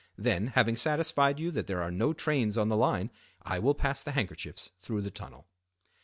Then, having satisfied you that there are no trains on the line, I will pass the handkerchiefs through the tunnel."